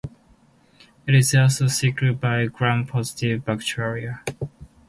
It is also secreted by Gram-positive bacteria.